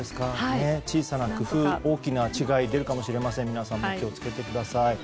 小さな工夫で大きな違い出るかもしれません皆さんも気を付けてください。